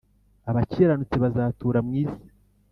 abakiranutsi bazatura mu isi